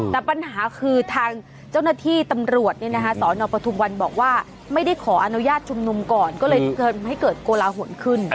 แต่ปัญหาคือทางเจ้าหน้าที่ตำรวจสนปทุมวันบอกว่าไม่ได้ขออนุญาตชุมนุมก่อนก็เลยทำให้เกิดโกลาหลขึ้น